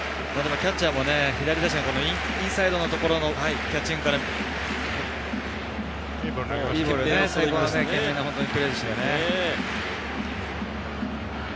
キャッチャーも左打者、インサイドのところでのキャッチングから、イーブンになりましたからね。